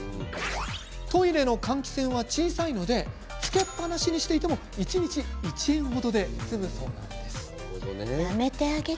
トイレの換気扇は小さいのでつけっぱなしにしていても一日１円程で済むそうなんです。